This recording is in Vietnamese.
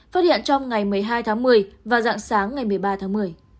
phát hiện trong ngày một mươi hai tháng một mươi và dạng sáng ngày một mươi ba tháng một mươi